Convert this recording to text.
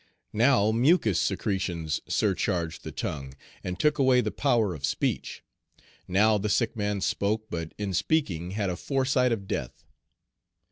Now mucous secretions surcharged the tongue, and took away the power of speech; now the sick man spoke, but in speaking had a foresight of death.